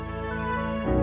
ipationg itu sih